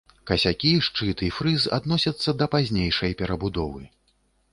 Касякі, шчыт і фрыз адносяцца да пазнейшай перабудовы.